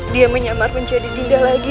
dia menyamar menjadi indah lagi